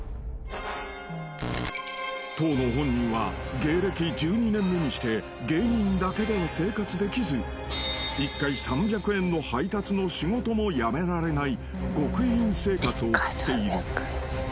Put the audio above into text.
［当の本人は芸歴１２年目にして芸人だけでは生活できず１回３００円の配達の仕事も辞められない極貧生活を送っている］